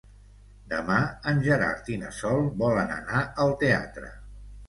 Demà en Gerard i na Sol volen anar al teatre.